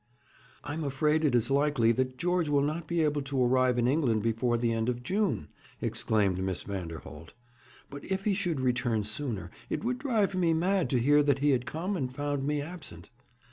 'I'm afraid it is likely that George will not be able to arrive in England before the end of June,' exclaimed Miss Vanderholt. 'But if he should return sooner, it would drive me mad to hear that he had come and found me absent.'